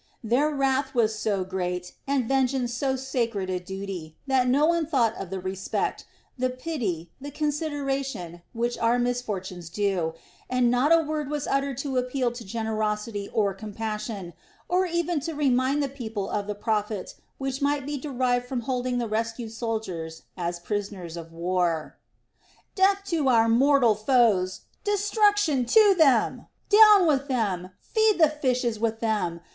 Their wrath was so great, and vengeance so sacred a duty, that no one thought of the respect, the pity, the consideration, which are misfortune's due, and not a word was uttered to appeal to generosity or compassion or even to remind the people of the profit which might be derived from holding the rescued soldiers as prisoners of war. "Death to our mortal foes! Destruction to them! Down with them! Feed the fishes with them!